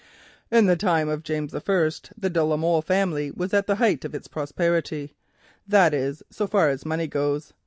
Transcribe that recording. "In the time of James I. the de la Molle family was at the height of its prosperity, that is, so far as money goes.